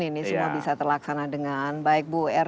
ini semua bisa terlaksana dengan baik buer